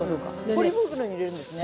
ポリ袋に入れるんですね。